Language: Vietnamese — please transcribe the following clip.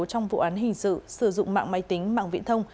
trong vụ án hình sự sử dụng mạng máy tính mạng viễn thông